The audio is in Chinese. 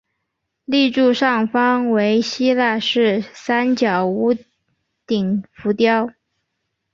立柱上方为希腊式三角屋顶浮雕。